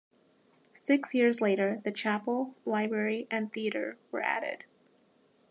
Six years later, the chapel, library, and theater were added.